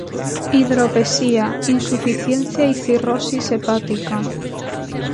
Hidropesía, insuficiencia y cirrosis hepática.